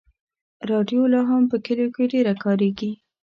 راډیو لا هم په کلیو کې ډېره کارېږي.